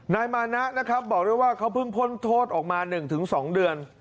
นายมานะนะครับบอกด้วยว่าเขาเพิ่งพ้นโทษออกมา๑๒เดือน